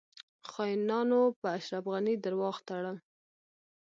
خاینانو په اشرف غنی درواغ تړل